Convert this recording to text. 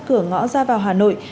cửa ngõ ra vào hà nội